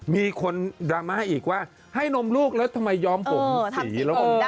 มีคนดราม่าอีกว่าให้นมลูกแล้วทำไมยอมผมสีแล้วก็